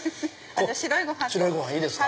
白いご飯いいですか？